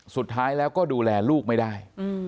สุดท้ายแล้วก็ดูแลลูกไม่ได้